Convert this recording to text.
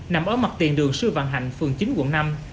nằm ở mặt tiền đường sư văn hạnh phường chín quận năm